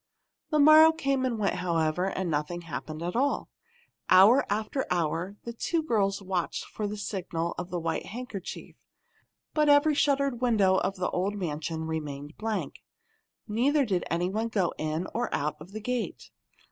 The morrow came and went, however, and nothing happened at all. Hour after hour the two girls watched for the signal of the white handkerchief, but every shuttered window of the old mansion remained blank. Neither did any one go in or out of the gate.